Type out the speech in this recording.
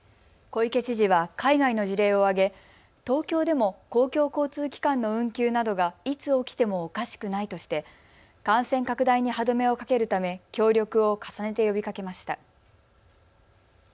小池知事は海外の事例を挙げ、東京でも公共交通機関の運休などがいつ起きてもおかしくないとして感染拡大に歯止めをかけるため協力を重ねて呼びかけました。